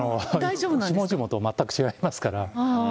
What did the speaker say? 下々と全く違いますから。